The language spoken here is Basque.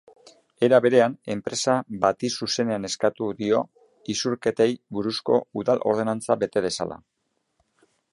Era berean, enpresa bati zuzenean eskatu dio isurketei buruzko udal-ordenantza bete dezala.